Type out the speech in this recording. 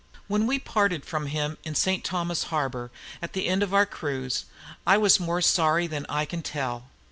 When we parted from him in St. Thomas harbor, at the end of our cruise, I was more sorry than I can tell.